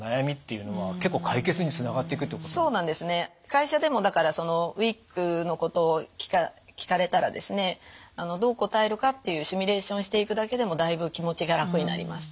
会社でもだからそのウイッグのことを聞かれたらですねどう答えるかっていうシミュレーションをしていくだけでもだいぶ気持ちが楽になります。